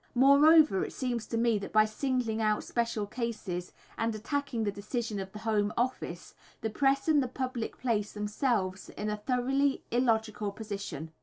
Moreover, it seems to me that by singling out special cases, and attacking the decision of the Home Office, the press and the public place themselves in a thoroughly illogical position.